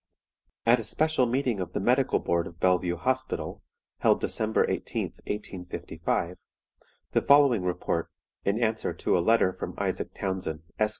"At a special meeting of the Medical Board of Bellevue Hospital, held December 18, 1855, the following report, in answer to a letter from Isaac Townsend, Esq.